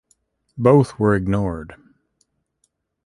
Both were ignored.